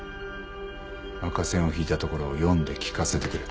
赤線を引いたところを読んで聞かせてくれ。